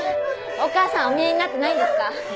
お母さんお見えになってないんですか？